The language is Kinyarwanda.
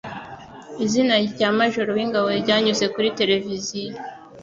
Izina rya majoro wingabo ryanyuze kuri televiziyo